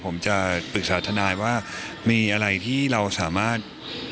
ผมจะปรึกษาทนายว่ามีอะไรที่เราสามารถ